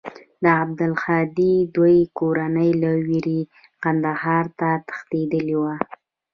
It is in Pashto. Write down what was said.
د عبدالهادي دوى کورنۍ له وېرې کندهار ته تښتېدلې وه.